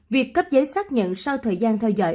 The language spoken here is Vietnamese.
việc cấp giấy xác nhận sau thời gian theo dõi